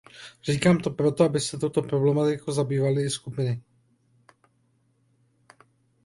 Říkám to proto, aby se touto problematikou zabývaly i skupiny.